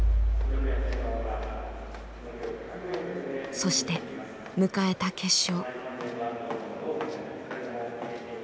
そして迎えた決勝。